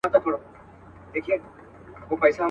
يوه ورځ چي گيند را خوشي سو ميدان ته.